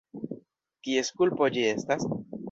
Kies kulpo ĝi estas?